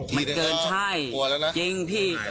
มันเกินใช่จริงพี่